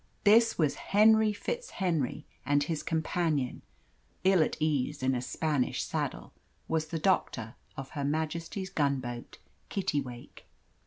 This was Henry FitzHenry, and his companion, ill at ease in a Spanish saddle, was the doctor of Her Majesty's gunboat Kittiwake.